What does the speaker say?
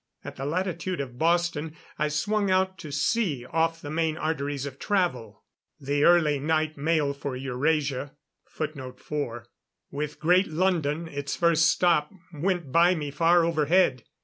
At the latitude of Boston, I swung out to sea, off the main arteries of travel. The early night mail for Eurasia, with Great London its first stop, went by me far overhead.